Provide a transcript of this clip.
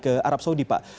ke arab saudi pak